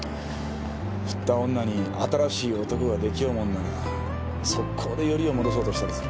振った女に新しい男ができようもんなら即行でよりを戻そうとしたりする。